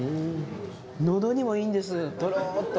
のどにもいいんですとろっと。